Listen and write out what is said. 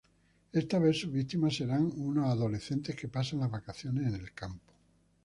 Esta vez sus víctimas serán unos adolescentes que pasan las vacaciones en el campo.